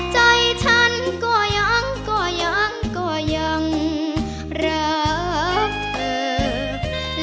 ใจฉันก็ยังก็ยังก็ยังรักเธอ